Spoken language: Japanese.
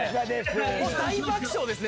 大爆笑ですね。